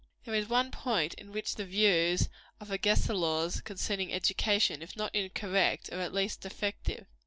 There is one point in which the views of Agesilaus concerning education, if not incorrect, are at least defective.